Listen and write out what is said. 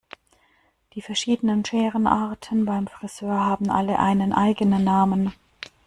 Die verschiedenen Scherenarten beim Frisör haben alle einen eigenen Namen.